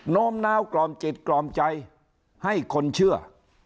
โน้มน้าวกล่อมจิตกล่อมใจให้คนเชื่อ